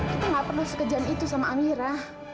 itu gak perlu sekejian itu sama amira